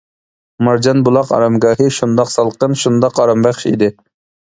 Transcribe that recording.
«مارجان بۇلاق ئارامگاھى» شۇنداق سالقىن، شۇنداق ئارامبەخش ئىدى.